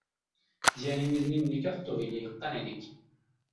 Jiyaningizning nikoh to‘yiga yiqqan edik